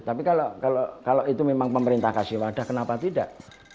tapi kalau itu memang pemerintah kasih wadah kenapa tidak